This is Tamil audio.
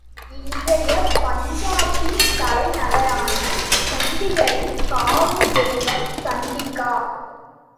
இன்றைய பஞ்சாபின் தலைநகரான சண்டிகரின் காவல் தெய்வம் சண்டிகா.